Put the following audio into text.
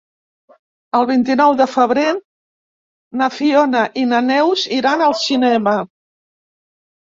El vint-i-nou de febrer na Fiona i na Neus iran al cinema.